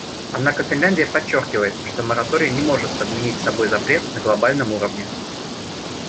Однако Финляндия подчеркивает, что мораторий не может подменить собой запрет на глобальном уровне.